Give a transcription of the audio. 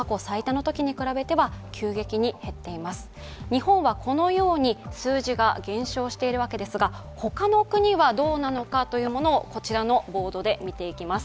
日本は数字が減少しているわけですが、他の国はどうなのかをいうものをこちらのボードで見ていきます。